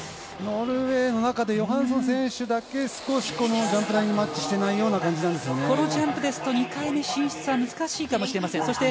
ノルウェーの中でヨハンソン選手だけ少しジャンプ台にマッチしていないようなこのジャンプですと２回目進出は難しいかもしれません。